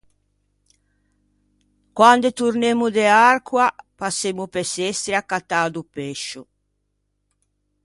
Quande tornemmo de Arcoa passemmo pe Sestri à cattâ do pescio.